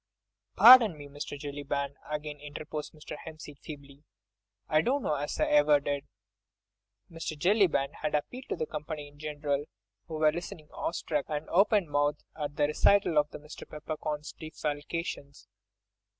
"Pardon me, Mr. Jellyband," again interposed Mr. Hempseed, feebly, "I dunno as I ever did—" Mr. Jellyband had appealed to the company in general, who were listening awe struck and open mouthed at the recital of Mr. Peppercorn's defalcations.